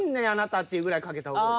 あなたっていうぐらいかけた方が。